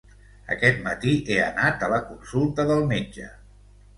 Aquest matí he anat a la consulta del metge.